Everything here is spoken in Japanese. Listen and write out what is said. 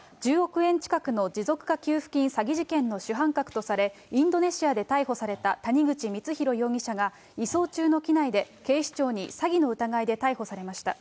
１０億円近くの持続化給付金詐欺事件の主犯が逮捕され、インドネシアで逮捕された谷口光弘容疑者が、移送中の機内で警視庁に詐欺の疑いで逮捕されました。